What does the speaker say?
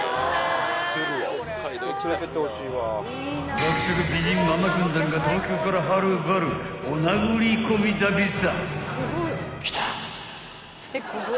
［爆食美人ママ軍団が東京からはるばるお殴り込みだべさ］